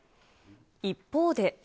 一方で。